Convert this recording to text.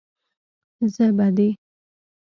زه به دې.